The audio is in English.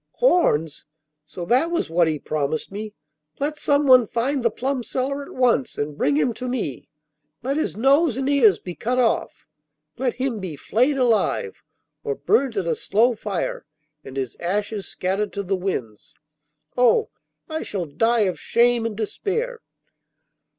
'Horns! so that was what he promised me! Let someone find the plum seller at once and bring him to me! Let his nose and ears be cut off! Let him be flayed alive, or burnt at a slow fire and his ashes scattered to the winds! Oh, I shall die of shame and despair!